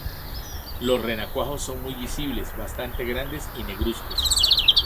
Los renacuajos son muy visibles, bastante grandes, y negruzcos.